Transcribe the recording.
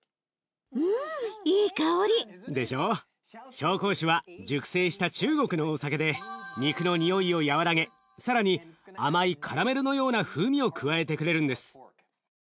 紹興酒は熟成した中国のお酒で肉のにおいを和らげ更に甘いカラメルのような風味を加えてくれるんです。